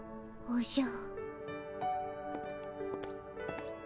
おじゃ。